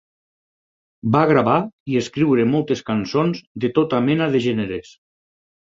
Va gravar i escriure moltes cançons de tota mena de gèneres.